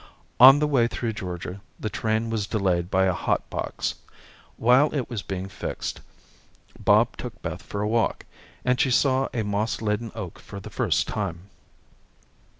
On the way through Georgia, the train was delayed by a hot box. While it was being fixed, Bob took Beth for a walk, and she saw a moss laden oak for the first time.